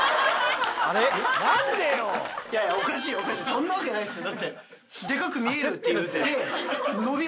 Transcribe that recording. そんなわけないっすよ。